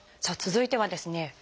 さあ続いてはですね